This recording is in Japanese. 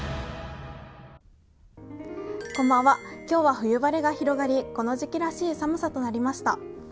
今日は冬晴れが広がり、この時期らしい寒さとなりました。